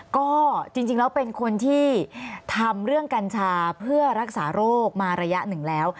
ก็จริงแล้วเป็นคนที่ทำเรื่องกัญชาเพื่อรักษาโรคมาระยะหนึ่งแล้ว